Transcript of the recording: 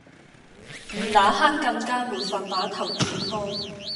那刻更加沒法把頭轉開